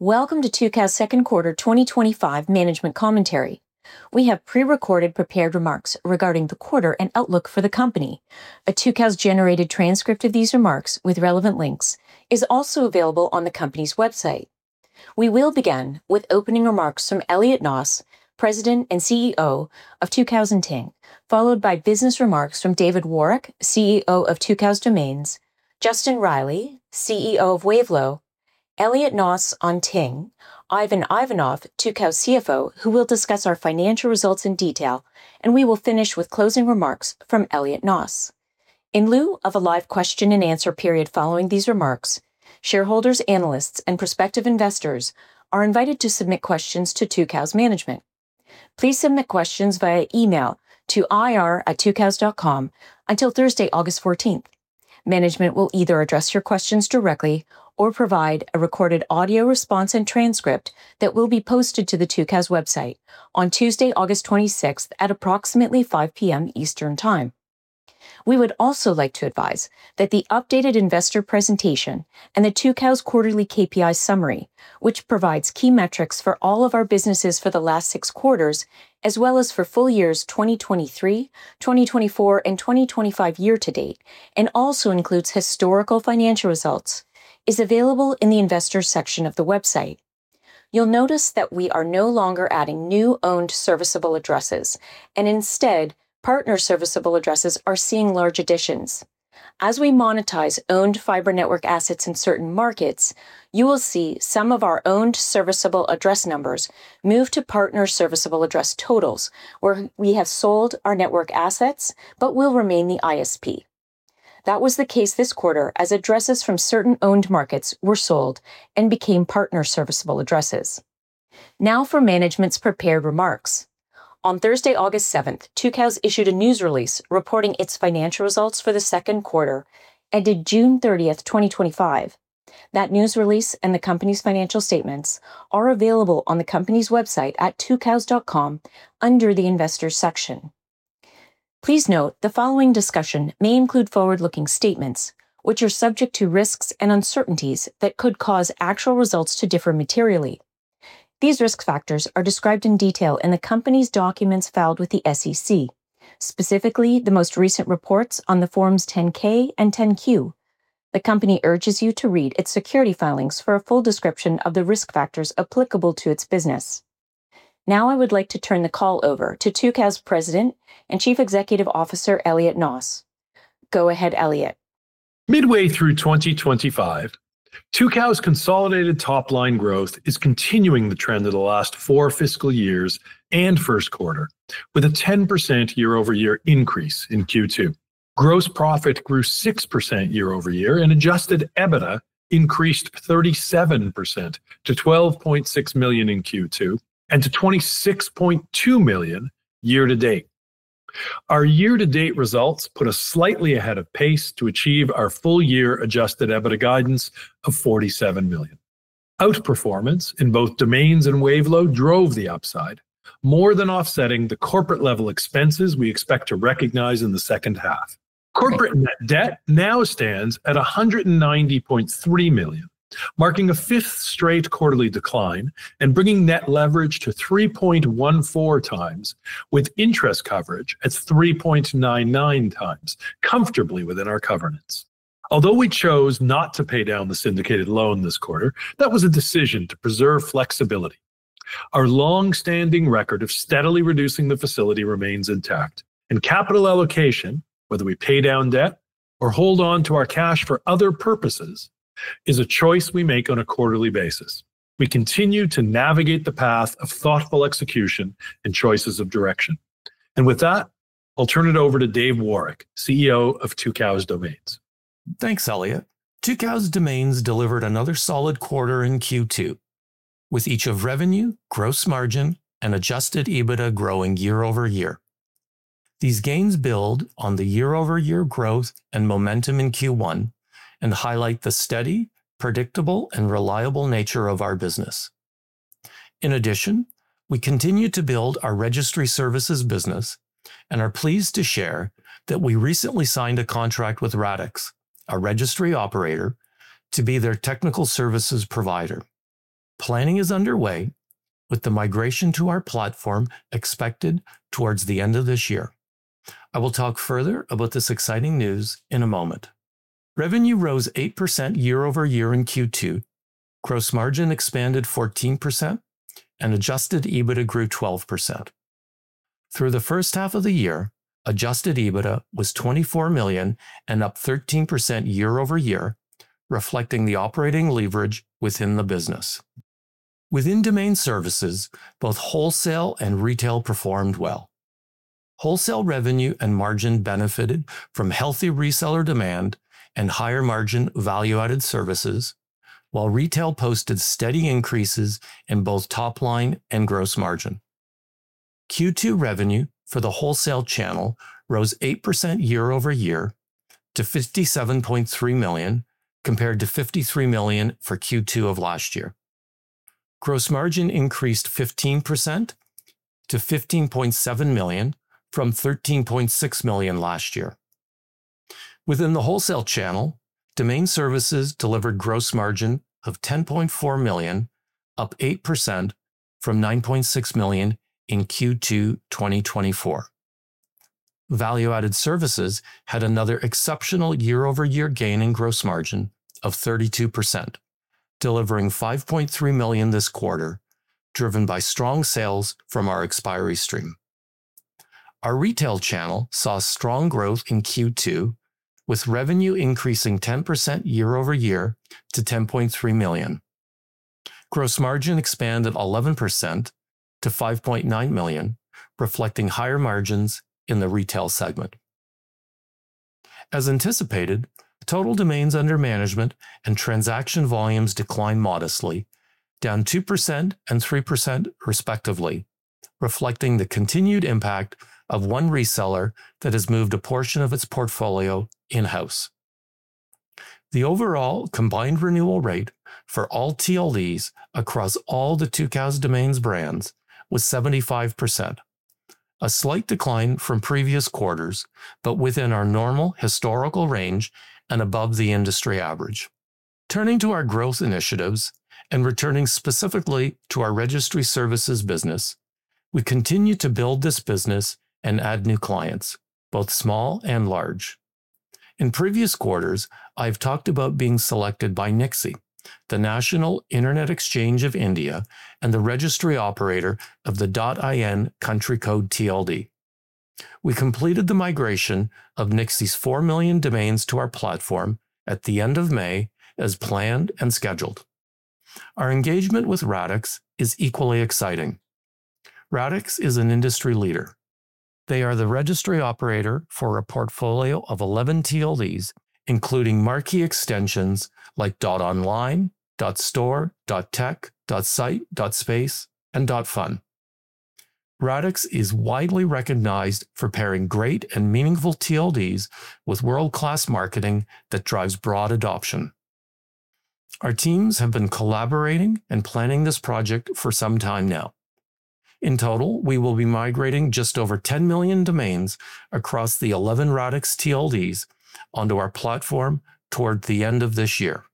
Welcome to Tucows Second Quarter 2025 Management Commentary. We have pre-recorded prepared remarks regarding the quarter and outlook for the company. A Tucows-generated transcript of these remarks, with relevant links, is also available on the company's website. We will begin with opening remarks from Elliot Noss, President and CEO of Tucows and Ting, followed by business remarks from David Woroch, CEO of Tucows/Domains, Justin Reilly, CEO of Wavelo, Elliot Noss on Ting, Ivan Ivanov, Tucows CFO, who will discuss our financial results in detail, and we will finish with closing remarks from Elliot Noss. In lieu of a live question-and-answer period following these remarks, shareholders, analysts, and prospective investors are invited to submit questions to Tucows Management. Please submit questions via email to ir@tucows.com until Thursday, August 14th. Management will either address your questions directly or provide a recorded audio response and transcript that will be posted to the Tucows website on Tuesday, August 26th, at approximately 5:00 P.M. Eastern Time. We would also like to advise that the updated investor presentation and the Tucows Quarterly KPI Summary, which provides key metrics for all of our businesses for the last six quarters, as well as for full years 2023, 2024, and 2025 year to date, and also includes historical financial results, is available in the Investors section of the website. You'll notice that we are no longer adding new owned serviceable addresses, and instead, partner serviceable addresses are seeing large additions. As we monetize owned fiber network assets in certain markets, you will see some of our owned serviceable address numbers move to partner serviceable address totals, where we have sold our network assets but will remain the ISP. That was the case this quarter, as addresses from certain owned markets were sold and became partner serviceable addresses. Now for management's prepared remarks. On Thursday, August 7th, Tucows issued a news release reporting its financial results for the second quarter ended June 30th, 2025. That news release and the company's financial statements are available on the company's website at tucows.com under the Investors section. Please note the following discussion may include forward-looking statements, which are subject to risks and uncertainties that could cause actual results to differ materially. These risk factors are described in detail in the company's documents filed with the SEC, specifically the most recent reports on the forms 10-K and 10-Q. The company urges you to read its security filings for a full description of the risk factors applicable to its business. Now I would like to turn the call over to Tucows President and Chief Executive Officer Elliot Noss. Go ahead, Elliot. Midway through 2025, Tucows consolidated top-line growth is continuing the trend of the last four fiscal years and first quarter, with a 10% year-over-year increase in Q2. Gross profit grew 6% year-over-year and adjusted EBITDA increased 37% to $12.6 million in Q2 and to $26.2 million year to date. Our year-to-date results put us slightly ahead of pace to achieve our full-year adjusted EBITDA guidance of $47 million. Outperformance in both Domains and Wavelo drove the upside, more than offsetting the corporate-level expenses we expect to recognize in the second half. Corporate net debt now stands at $190.3 million, marking a fifth straight quarterly decline and bringing net leverage to 3.14x, with interest coverage at 3.99x, comfortably within our governance. Although we chose not to pay down the syndicated loan this quarter, that was a decision to preserve flexibility. Our long-standing record of steadily reducing the facility remains intact, and capital allocation, whether we pay down debt or hold on to our cash for other purposes, is a choice we make on a quarterly basis. We continue to navigate the path of thoughtful execution and choices of direction. With that, I'll turn it over to Dave Woroch, CEO of Tucows/Domains. Thanks, Elliot. Tucows/Domains delivered another solid quarter in Q2, with each of revenue, gross margin, and adjusted EBITDA growing year-over-year. These gains build on the year-over-year growth and momentum in Q1 and highlight the steady, predictable, and reliable nature of our business. In addition, we continue to build our Registry Services business and are pleased to share that we recently signed a contract with Radix, a registry operator, to be their technical services provider. Planning is underway, with the migration to our platform expected towards the end of this year. I will talk further about this exciting news in a moment. Revenue rose 8% year-over-year in Q2, gross margin expanded 14%, and adjusted EBITDA grew 12%. Through the first half of the year, adjusted EBITDA was $24 million and up 13% year-over-year, reflecting the operating leverage within the business. Within Domain Services, both wholesale and retail performed well. Wholesale revenue and margin benefited from healthy reseller demand and higher margin value-added services, while retail posted steady increases in both top-line and gross margin. Q2 revenue for the wholesale channel rose 8% year-over-year to $57.3 million, compared to $53 million for Q2 of last year. Gross margin increased 15% to $15.7 million from $13.6 million last year. Within the wholesale channel, Domain Services delivered gross margin of $10.4 million, up 8% from $9.6 million in Q2 2024. Value-added services had another exceptional year-over-year gain in gross margin of 32%, delivering $5.3 million this quarter, driven by strong sales from our expiry stream. Our retail channel saw strong growth in Q2, with revenue increasing 10% year-over-year to $10.3 million. Gross margin expanded 11% to $5.9 million, reflecting higher margins in the retail segment. As anticipated, total domains under management and transaction volumes declined modestly, down 2% and 3% respectively, reflecting the continued impact of one reseller that has moved a portion of its portfolio in-house. The overall combined renewal rate for all TLDs across all the Tucows/Domains brands was 75%, a slight decline from previous quarters but within our normal historical range and above the industry average. Turning to our growth initiatives and returning specifically to our Registry Services business, we continue to build this business and add new clients, both small and large. In previous quarters, I have talked about being selected by NIXI, the National Internet Exchange of India, and the registry operator of the .in country code TLD. We completed the migration of NIXI's 4 million domains to our platform at the end of May, as planned and scheduled. Our engagement with Radix is equally exciting. Radix is an industry leader. They are the registry operator for a portfolio of 11 TLDs, including marquee extensions like .online, .store, .tech, .site, .space, and .fun. Radix is widely recognized for pairing great and meaningful TLDs with world-class marketing that drives broad adoption. Our teams have been collaborating and planning this project for some time now. In total, we will be migrating just over 10 million domains across the 11 Radix TLDs onto our platform toward the end of this year.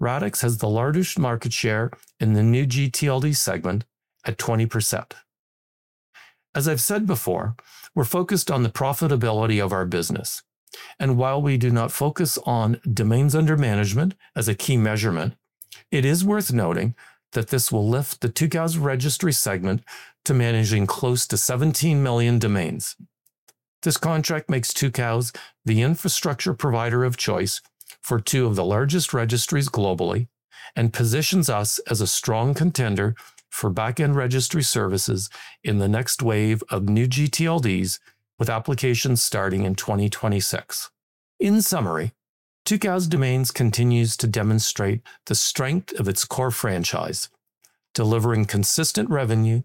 Radix has the largest market share in the new gTLD segment at 20%. As I've said before, we're focused on the profitability of our business, and while we do not focus on domains under management as a key measurement, it is worth noting that this will lift the Tucows Registry segment to managing close to 17 million domains. This contract makes Tucows the infrastructure provider of choice for two of the largest registries globally and positions us as a strong contender for backend registry services in the next wave of new gTLDs, with applications starting in 2026. In summary, Tucows/Domains continues to demonstrate the strength of its core franchise, delivering consistent revenue,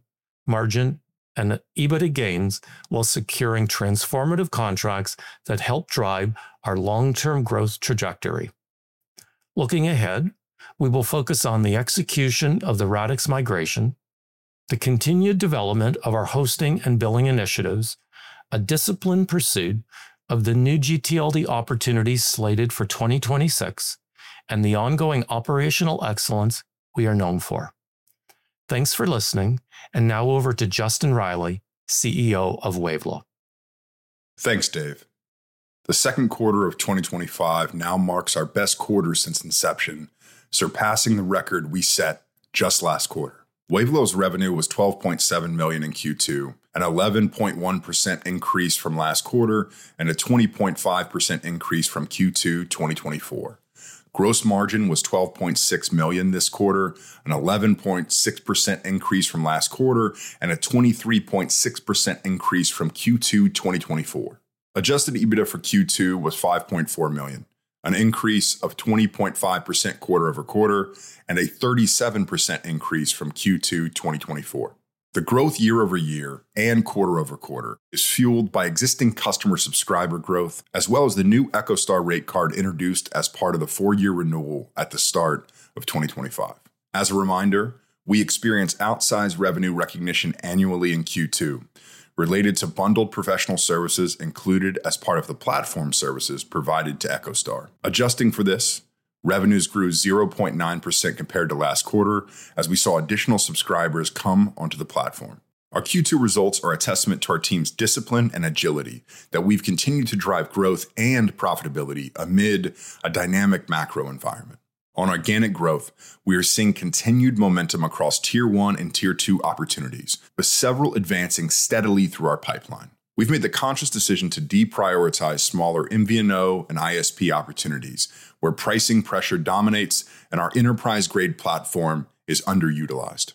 margin, and EBITDA gains while securing transformative contracts that help drive our long-term growth trajectory. Looking ahead, we will focus on the execution of the Radix migration, the continued development of our hosting and billing initiatives, a disciplined pursuit of the new gTLD opportunities slated for 2026, and the ongoing operational excellence we are known for. Thanks for listening, and now over to Justin Reilly, CEO of Wavelo. Thanks, Dave. The second quarter of 2025 now marks our best quarter since inception, surpassing the record we set just last quarter. Wavelo's revenue was $12.7 million in Q2, an 11.1% increase from last quarter, and a 20.5% increase from Q2 2024. Gross margin was $12.6 million this quarter, an 11.6% increase from last quarter, and a 23.6% increase from Q2 2024. Adjusted EBITDA for Q2 was $5.4 million, an increase of 20.5% quarter-over-quarter, and a 37% increase from Q2 2024. The growth year-over-year and quarter-over-quarter is fueled by existing customer subscriber growth, as well as the new EchoStar rate card introduced as part of the four-year renewal at the start of 2025. As a reminder, we experience outsized revenue recognition annually in Q2, related to bundled professional services included as part of the platform services provided to EchoStar. Adjusting for this, revenues grew 0.9% compared to last quarter, as we saw additional subscribers come onto the platform. Our Q2 results are a testament to our team's discipline and agility, that we've continued to drive growth and profitability amid a dynamic macro environment. On organic growth, we are seeing continued momentum across Tier 1 and Tier 2 opportunities, with several advancing steadily through our pipeline. We've made the conscious decision to deprioritize smaller MVNO and ISP opportunities, where pricing pressure dominates and our enterprise-grade platform is underutilized.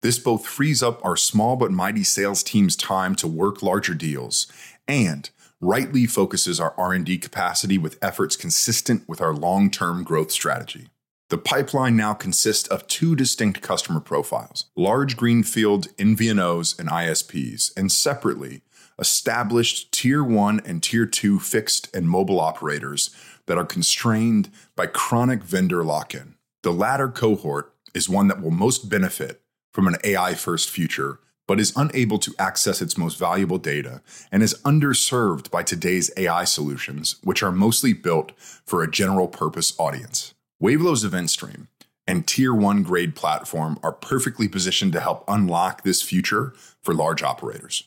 This both frees up our small but mighty sales team's time to work larger deals and rightly focuses our R&D capacity with efforts consistent with our long-term growth strategy. The pipeline now consists of two distinct customer profiles: large greenfield MVNOs and ISPs, and separately established Tier 1 and Tier 2 fixed and mobile operators that are constrained by chronic vendor lock-in. The latter cohort is one that will most benefit from an AI-first future but is unable to access its most valuable data and is underserved by today's AI solutions, which are mostly built for a general-purpose audience. Wavelo's event stream and Tier 1 grade platform are perfectly positioned to help unlock this future for large operators.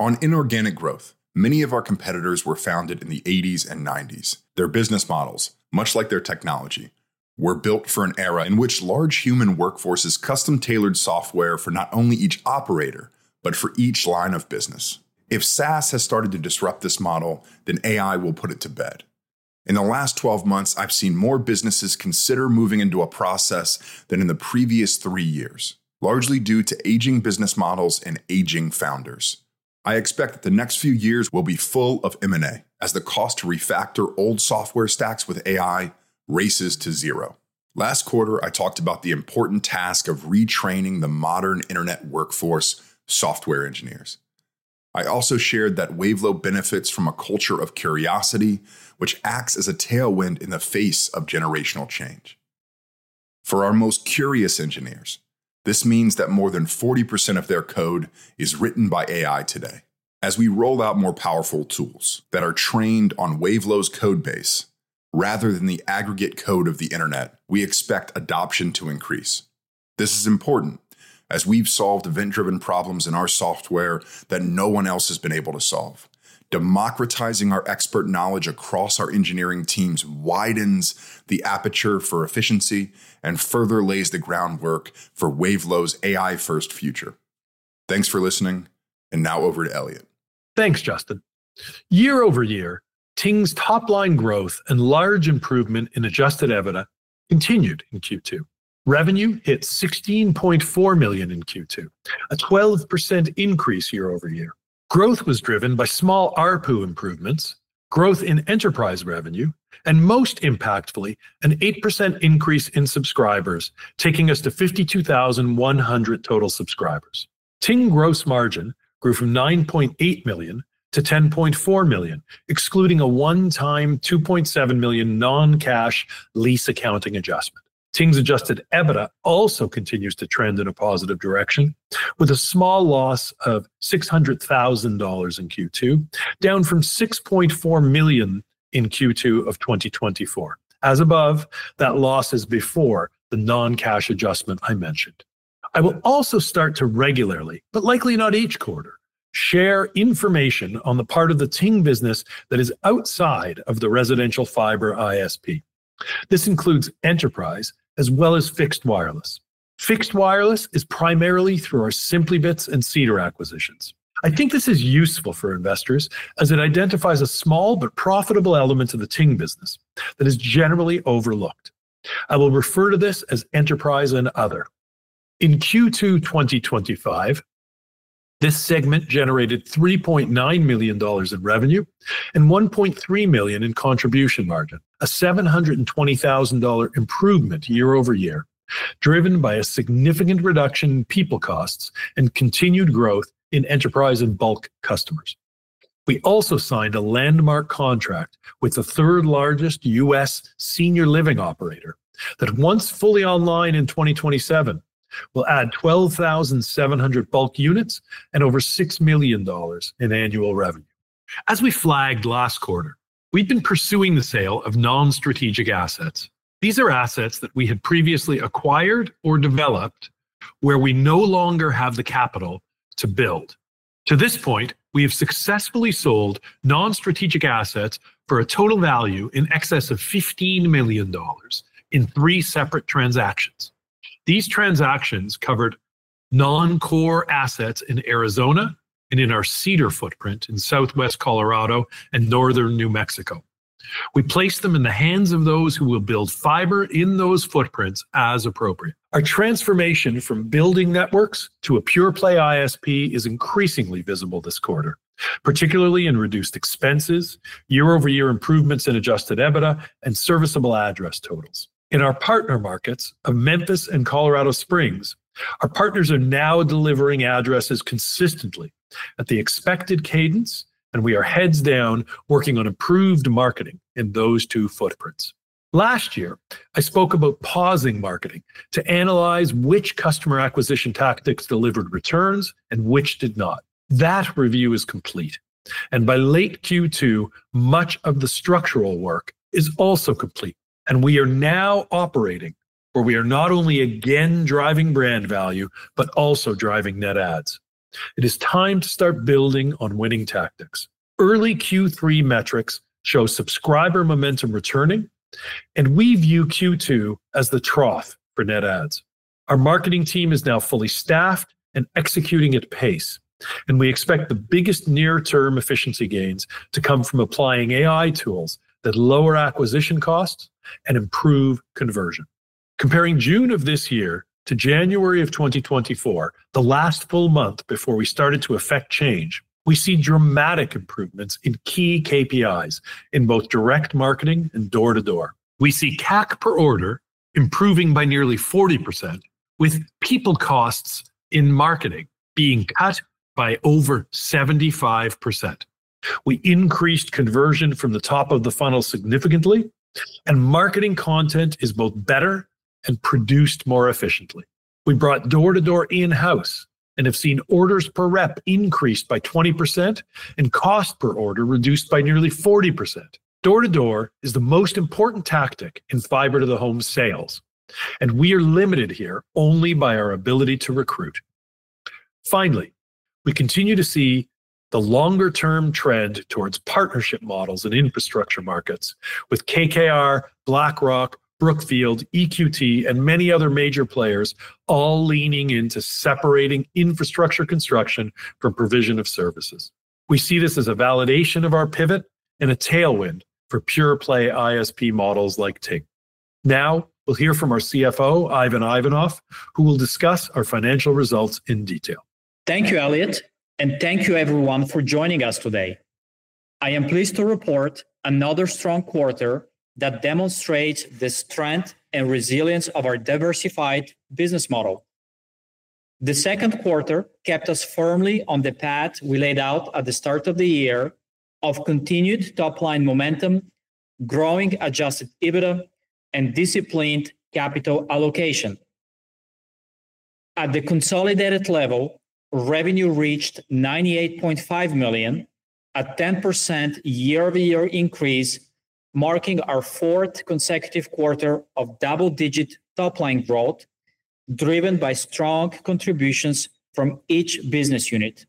On inorganic growth, many of our competitors were founded in the '80s and '90s. Their business models, much like their technology, were built for an era in which large human workforces custom-tailored software for not only each operator but for each line of business. If SaaS has started to disrupt this model, then AI will put it to bed. In the last 12 months, I've seen more businesses consider moving into a process than in the previous three years, largely due to aging business models and aging founders. I expect that the next few years will be full of M&A, as the cost to refactor old software stacks with AI races to zero. Last quarter, I talked about the important task of retraining the modern internet workforce software engineers. I also shared that Wavelo benefits from a culture of curiosity, which acts as a tailwind in the face of generational change. For our most curious engineers, this means that more than 40% of their code is written by AI today. As we roll out more powerful tools that are trained on Wavelo's codebase, rather than the aggregate code of the internet, we expect adoption to increase. This is important, as we've solved event-driven problems in our software that no one else has been able to solve. Democratizing our expert knowledge across our engineering teams widens the aperture for efficiency and further lays the groundwork for Wavelo's AI-first future. Thanks for listening, and now over to Elliot. Thanks, Justin. year-over-year, Ting's top-line growth and large improvement in adjusted EBITDA continued in Q2. Revenue hit $16.4 million in Q2, a 12% increase year-over-year. Growth was driven by small ARPU improvements, growth in enterprise revenue, and most impactfully, an 8% increase in subscribers, taking us to 52,100 total subscribers. Ting gross margin grew from $9.8 million to $10.4 million, excluding a one-time $2.7 million non-cash lease accounting adjustment. Ting's adjusted EBITDA also continues to trend in a positive direction, with a small loss of $600,000 in Q2, down from $6.4 million in Q2 of 2024. As above, that loss is before the non-cash adjustment I mentioned. I will also start to regularly, but likely not each quarter, share information on the part of the Ting business that is outside of the residential fiber ISP. This includes enterprise, as well as fixed wireless. Fixed wireless is primarily through our Simply Bits and Cedar acquisitions. I think this is useful for investors, as it identifies a small but profitable element of the Ting business that is generally overlooked. I will refer to this as enterprise and other. In Q2 2025, this segment generated $3.9 million in revenue and $1.3 million in contribution margin, a $720,000 improvement year-over-year, driven by a significant reduction in people costs and continued growth in enterprise and bulk customers. We also signed a landmark contract with the third-largest U.S. senior living operator that, once fully online in 2027, will add 12,700 bulk units and over $6 million in annual revenue. As we flagged last quarter, we've been pursuing the sale of non-strategic assets. These are assets that we had previously acquired or developed, where we no longer have the capital to build. To this point, we have successfully sold non-strategic assets for a total value in excess of $15 million in three separate transactions. These transactions covered non-core assets in Arizona and in our Cedar footprint in Southwest Colorado and Northern New Mexico. We placed them in the hands of those who will build fiber in those footprints as appropriate. Our transformation from building networks to a pure-play ISP is increasingly visible this quarter, particularly in reduced expenses, year-over-year improvements in adjusted EBITDA, and serviceable address totals. In our partner markets of Memphis and Colorado Springs, our partners are now delivering addresses consistently at the expected cadence, and we are heads down working on improved marketing in those two footprints. Last year, I spoke about pausing marketing to analyze which customer acquisition tactics delivered returns and which did not. That review is complete, and by late Q2, much of the structural work is also complete, and we are now operating where we are not only again driving brand value but also driving net adds. It is time to start building on winning tactics. Early Q3 metrics show subscriber momentum returning, and we view Q2 as the trough for net adds. Our marketing team is now fully staffed and executing at pace, and we expect the biggest near-term efficiency gains to come from applying AI tools that lower acquisition costs and improve conversion. Comparing June of this year to January of 2024, the last full month before we started to affect change, we see dramatic improvements in key KPIs in both direct marketing and door-to-door. We see CAC per order improving by nearly 40%, with people costs in marketing being cut by over 75%. We increased conversion from the top of the funnel significantly, and marketing content is both better and produced more efficiently. We brought door-to-door in-house and have seen orders per rep increased by 20% and cost per order reduced by nearly 40%. Door-to-door is the most important tactic in fiber-to-the-home sales, and we are limited here only by our ability to recruit. Finally, we continue to see the longer-term trend towards partnership models in infrastructure markets, with KKR, BlackRock, Brookfield, EQT, and many other major players all leaning into separating infrastructure construction from provision of services. We see this as a validation of our pivot and a tailwind for pure-play ISP models like Ting. Now, we'll hear from our CFO, Ivan Ivanov, who will discuss our financial results in detail. Thank you, Elliot, and thank you everyone for joining us today. I am pleased to report another strong quarter that demonstrates the strength and resilience of our diversified business model. The second quarter kept us firmly on the path we laid out at the start of the year of continued top-line momentum, growing adjusted EBITDA, and disciplined capital allocation. At the consolidated level, revenue reached $98.5 million, a 10% year-over-year increase, marking our fourth consecutive quarter of double-digit top-line growth, driven by strong contributions from each business unit.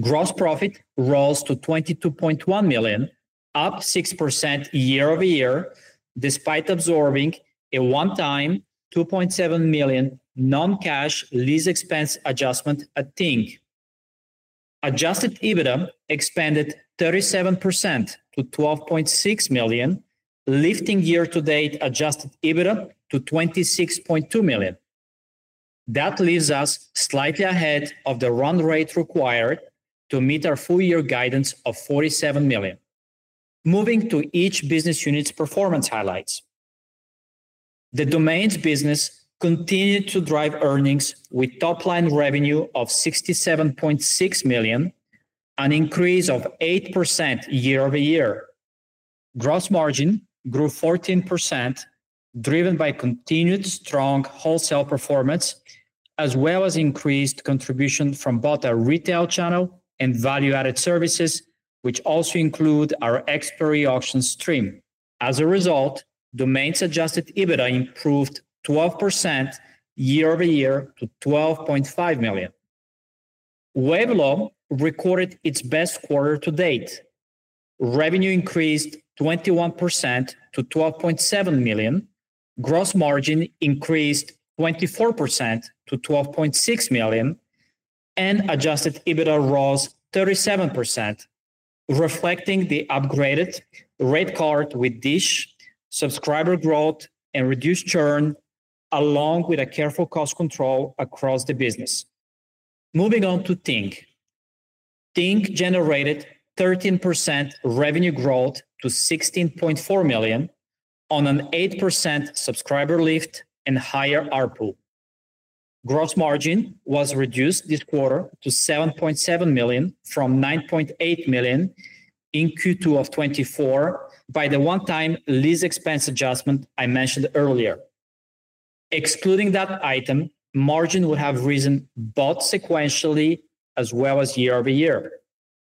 Gross profit rose to $22.1 million, up 6% year-over-year, despite absorbing a one-time $2.7 million non-cash lease expense adjustment at Ting. Adjusted EBITDA expanded 37% to $12.6 million, lifting year-to-date adjusted EBITDA to $26.2 million. That leaves us slightly ahead of the run rate required to meet our full-year guidance of $47 million. Moving to each business unit's performance highlights. The Domains business continued to drive earnings with top-line revenue of $67.6 million, an increase of 8% year-over-year. Gross margin grew 14%, driven by continued strong wholesale performance, as well as increased contribution from both our retail channel and value-added services, which also include our expiry auction stream. As a result, Domains' adjusted EBITDA improved 12% year-over-year to $12.5 million. Wavelo recorded its best quarter to date. Revenue increased 21% to $12.7 million, gross margin increased 24% to $12.6 million, and adjusted EBITDA rose 37%, reflecting the upgraded rate card with DISH, subscriber growth, and reduced churn, along with careful cost control across the business. Moving on to Ting, Ting generated 13% revenue growth to $16.4 million on an 8% subscriber lift and higher ARPU. Gross margin was reduced this quarter to $7.7 million from $9.8 million in Q2 2024 by the one-time lease expense adjustment I mentioned earlier. Excluding that item, margin would have risen both sequentially as well as year-over-year.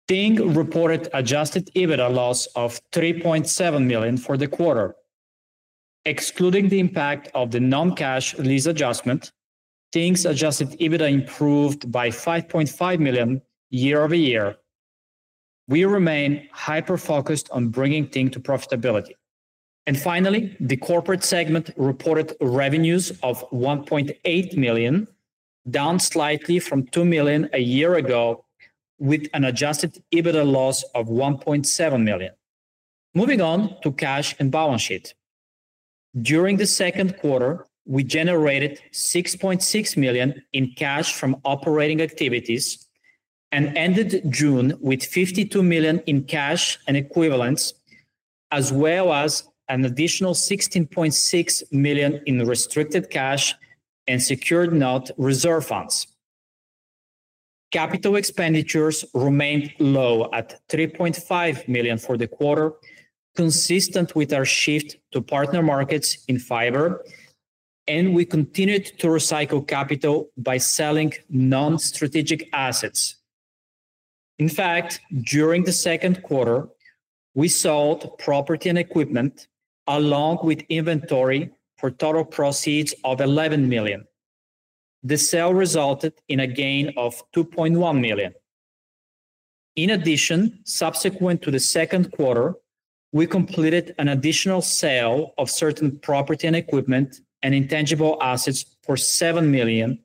Ting reported adjusted EBITDA loss of $3.7 million for the quarter. Excluding the impact of the non-cash lease adjustment, Ting's adjusted EBITDA improved by $5.5 million year-over-year. We remain hyper-focused on bringing Ting to profitability. Finally, the corporate segment reported revenues of $1.8 million, down slightly from $2 million a year ago, with an adjusted EBITDA loss of $1.7 million. Moving on to cash and balance sheet. During the second quarter, we generated $6.6 million in cash from operating activities and ended June with $52 million in cash and equivalents, as well as an additional $16.6 million in restricted cash and secured-note reserve funds. Capital expenditures remained low at $3.5 million for the quarter, consistent with our shift to partner markets in fiber, and we continued to recycle capital by selling non-strategic assets. In fact, during the second quarter, we sold property and equipment along with inventory for total proceeds of $11 million. The sale resulted in a gain of $2.1 million. In addition, subsequent to the second quarter, we completed an additional sale of certain property and equipment and intangible assets for $7 million,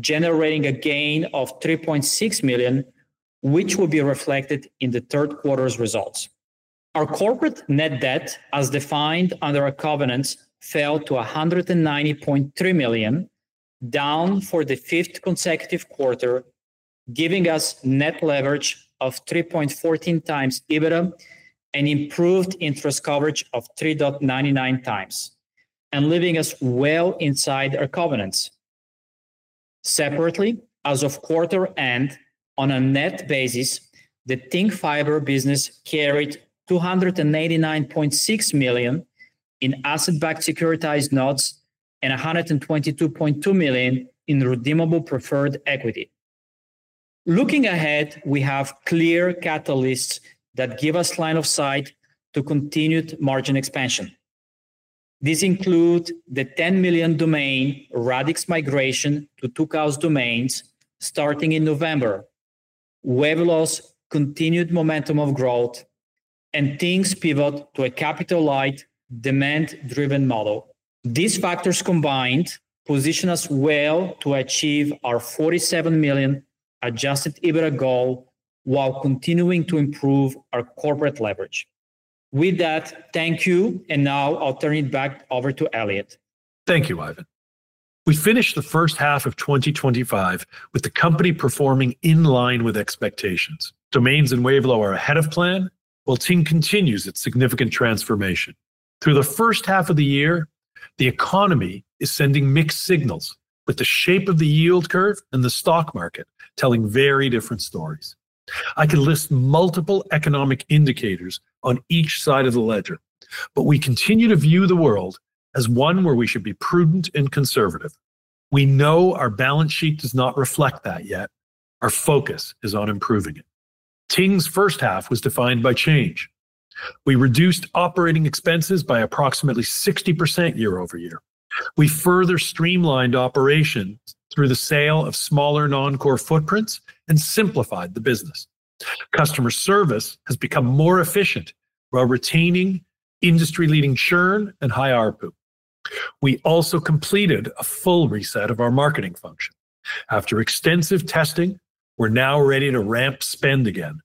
generating a gain of $3.6 million, which will be reflected in the third quarter's results. Our corporate net debt, as defined under our covenants, fell to $190.3 million, down for the fifth consecutive quarter, giving us net leverage of 3.14x EBITDA and improved interest coverage of 3.99x, and leaving us well inside our covenants. Separately, as of quarter end, on a net basis, the Ting Internet fiber business carried $289.6 million in asset-backed securitized nodes and $122.2 million in redeemable preferred equity. Looking ahead, we have clear catalysts that give us line of sight to continued margin expansion. These include the 10 million domain Radix migration to Tucows/Domains, starting in November, Wavelo's continued momentum of growth, and Ting's pivot to a capital-light, demand-driven model. These factors combined position us well to achieve our $47 million adjusted EBITDA goal while continuing to improve our corporate leverage. With that, thank you, and now I'll turn it back over to Elliot. Thank you, Ivan. We finished the first half of 2024 with the company performing in line with expectations. Domains and Wavelo are ahead of plan, while Ting continues its significant transformation. Through the first half of the year, the economy is sending mixed signals, with the shape of the yield curve and the stock market telling very different stories. I could list multiple economic indicators on each side of the ledger, but we continue to view the world as one where we should be prudent and conservative. We know our balance sheet does not reflect that yet. Our focus is on improving it. Ting's first half was defined by change. We reduced operating expenses by approximately 60% year-over-year. We further streamlined operations through the sale of smaller non-core footprints and simplified the business. Customer service has become more efficient while retaining industry-leading churn and high ARPU. We also completed a full reset of our marketing function. After extensive testing, we're now ready to ramp spend again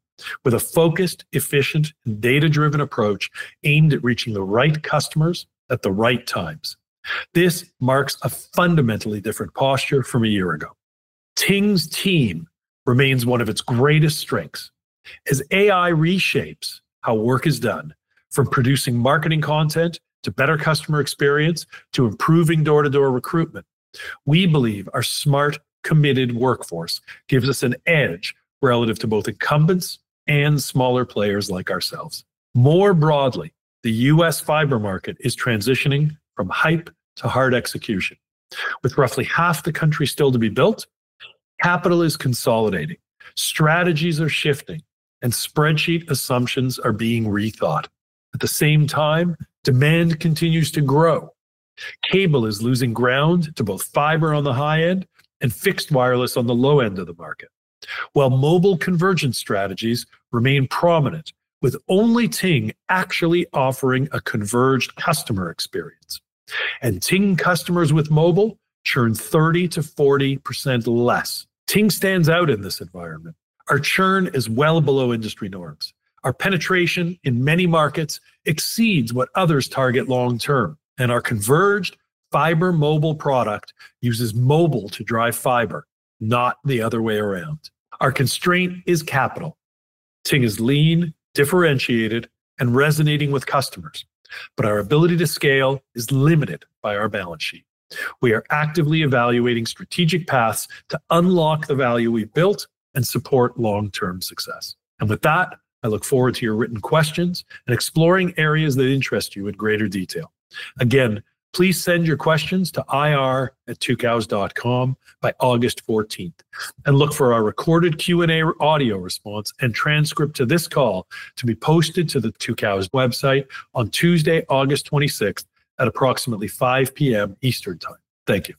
with a focused, efficient, and data-driven approach aimed at reaching the right customers at the right times. This marks a fundamentally different posture from a year ago. Ting's team remains one of its greatest strengths as AI reshapes how work is done, from producing marketing content to better customer experience to improving door-to-door recruitment. We believe our smart, committed workforce gives us an edge relative to both incumbents and smaller players like ourselves. More broadly, the U.S. fiber market is transitioning from hype to hard execution. With roughly half the country still to be built, capital is consolidating, strategies are shifting, and spreadsheet assumptions are being rethought. At the same time, demand continues to grow. Cable is losing ground to both fiber on the high end and fixed wireless on the low end of the market, while mobile convergence strategies remain prominent, with only Ting actually offering a converged customer experience. Ting customers with mobile churn 30% to 40% less. Ting stands out in this environment. Our churn is well below industry norms. Our penetration in many markets exceeds what others target long term, and our converged fiber mobile product uses mobile to drive fiber, not the other way around. Our constraint is capital. Ting is lean, differentiated, and resonating with customers, but our ability to scale is limited by our balance sheet. We are actively evaluating strategic paths to unlock the value we've built and support long-term success. I look forward to your written questions and exploring areas that interest you in greater detail. Please send your questions to ir@tucows.com by August 14, and look for our recorded Q&A audio response and transcript to this call to be posted to the Tucows website on Tuesday, August 26, at approximately 5:00 P.M. Eastern Time. Thank you.